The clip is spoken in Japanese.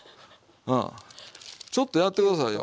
ちょっとやって下さいよ。